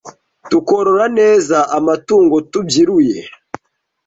Tukorora neza Amatungo tubyiruye!